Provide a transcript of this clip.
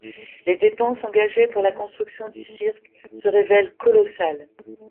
Les dépenses engagées pour la construction du cirque se révèlent colossales.